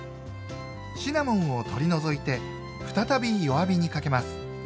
シナモンを取り除いて再び弱火にかけます。